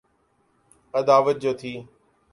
عداوت جو تھی۔